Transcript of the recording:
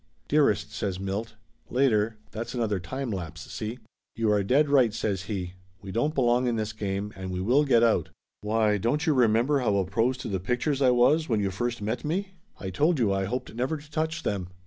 "Dearest!" says Milt. Later. That's another time lapse, see ? "You are dead right," says he. "We don't belong in this game, and we will get out. Why, don't you re member how opposed to the pictures I was when you first met me ? I told you I hoped never to touch them.